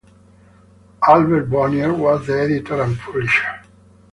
Albert Bonnier was the editor and publisher.